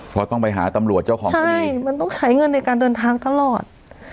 เพราะต้องไปหาตำรวจเจ้าของบ้านใช่มันต้องใช้เงินในการเดินทางตลอด